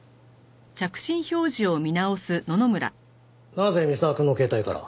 なぜ三沢くんの携帯から？